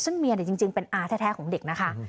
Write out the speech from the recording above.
ซึ่งเมียจริงเป็นอาแท้ของเด็กนะคะ